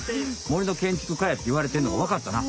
「森の建築家」やっていわれてんのがわかったな。